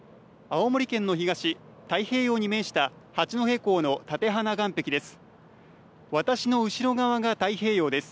青森県の東太平洋に面した八戸港の館花岸壁です。